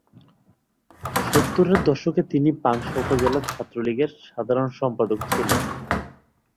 সত্তরের দশকে তিনি পাংশা উপজেলা ছাত্রলীগের সাধারণ সম্পাদক ছিলেন।